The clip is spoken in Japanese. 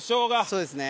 そうですね。